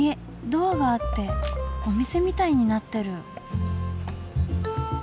ドアがあってお店みたいになってる。